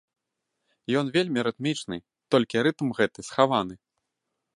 Ён вельмі рытмічны, толькі рытм гэты схаваны.